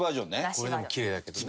これでもきれいだけどね。